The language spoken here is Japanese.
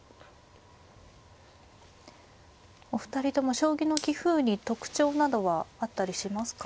お二人とも将棋の棋風に特徴などはあったりしますか？